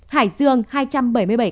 hải dương hai trăm bảy mươi bảy ca